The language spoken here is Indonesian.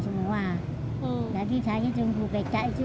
jadi saya tunggu becak itu